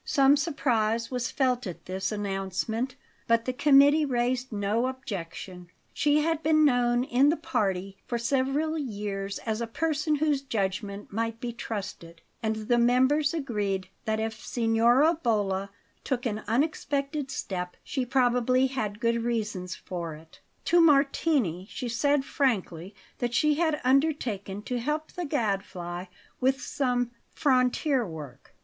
Some surprise was felt at this announcement, but the committee raised no objection; she had been known in the party for several years as a person whose judgment might be trusted; and the members agreed that if Signora Bolla took an unexpected step, she probably had good reasons for it. To Martini she said frankly that she had undertaken to help the Gadfly with some "frontier work."